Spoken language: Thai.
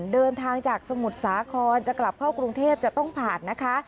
เดินทางจากสมุทรสาครจะกลับเข้ากรุงเทพจะต้องผ่านนะคะ